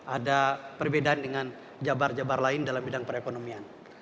ada perbedaan dengan jabar jabar lain dalam bidang perekonomian